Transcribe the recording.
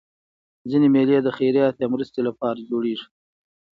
ځيني مېلې د خیرات یا مرستي له پاره جوړېږي.